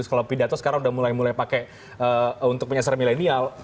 kalau pidato sekarang sudah mulai mulai pakai untuk menyasar milenial